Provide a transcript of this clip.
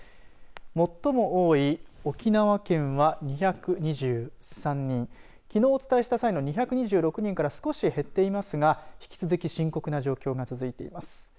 最も多い沖縄県は２２３人きのうお伝えした際の２２６人から少し減っていますが引き続き深刻な状況が続いています。